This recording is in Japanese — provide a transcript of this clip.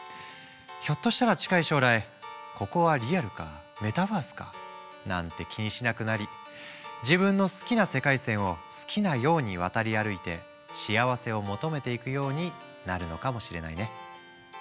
ひょっとしたら近い将来ここはリアルかメタバースかなんて気にしなくなり自分の好きな世界線を好きなように渡り歩いて幸せを求めていくようになるのかもしれないね。